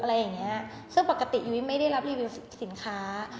อะไรอย่างเงี้ยซึ่งปกติยุ้ยไม่ได้รับรีวิวสินค้า